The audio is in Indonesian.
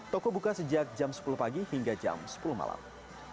toko buka sejak jam sepuluh pagi hingga jam sepuluh malam